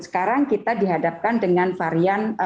sekarang kita dihadapkan dengan varian